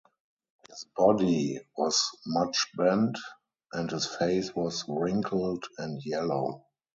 His body was much bent, and his face was wrinkled and yellow.